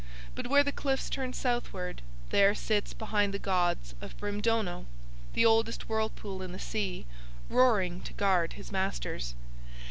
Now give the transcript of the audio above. But where the cliffs turn southward there sits behind the gods Brimdono, the oldest whirlpool in the sea, roaring to guard his masters.